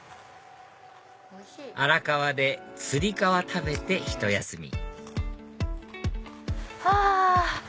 荒川でつり革食べてひと休みはぁ！